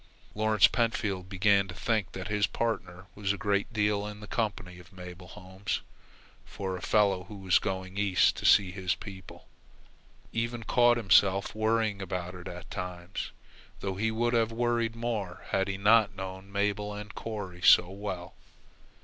Lawrence Pentfield began to think that his partner was a great deal in the company of Mabel Holmes for a fellow who was going east to see his people. He even caught himself worrying about it at times, though he would have worried more had he not known Mabel and Corry so well.